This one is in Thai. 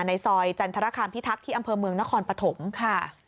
ในซอยจันทรคามพิทักษ์ที่อำเภอเมืองนครปฐมค่ะ